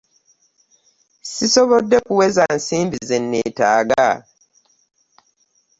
Ssisobodde kuweza nsimbi ze nneetaaga.